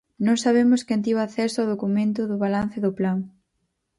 Non sabemos quen tivo acceso ao documento do balance do plan.